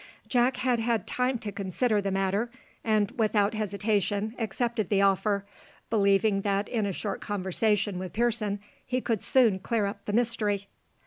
Jack had had time to consider the matter, and without hesitation accepted the offer, believing that in a short conversation with Pearson he could soon clear up the mystery.